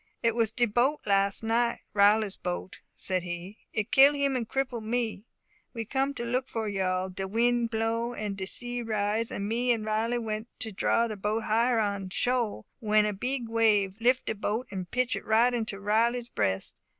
"It was de boat las' night Riley's boat," said he. "It kill him and cripple me. We come to look for you all. De win' blow and de sea rise; and me and Riley went to draw the boat higher on sho', w'en a big wave lif' de boat and pitch it right into Riley's breast.